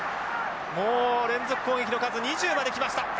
もう連続攻撃の数２０まで来ました。